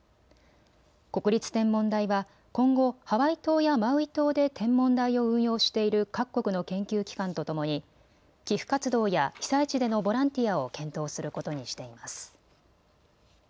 国立天文台は今後、ハワイ島やマウイ島で天文台を運用している各国の研究機関とともに寄付活動や被災地でのボランティアを検討することにしています。